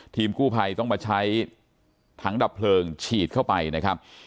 ทีมกู้ภัยต้องมาใช้ถังดับเพลิงฉีดเข้าไปนะครับ